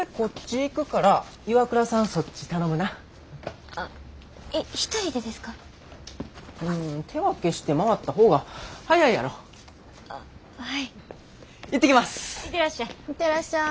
行ってらっしゃい。